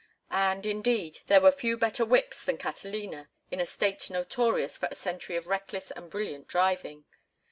And, indeed, there were few better whips than Catalina in a state notorious for a century of reckless and brilliant driving.